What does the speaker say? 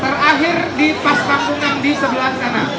terakhir di pas kampung yang di sebelah sana